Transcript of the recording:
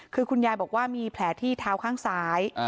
คือคุณยายบอกว่ามีแผลที่เท้าข้างซ้าย